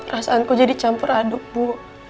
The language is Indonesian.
perasaanku jadi campur aduk bu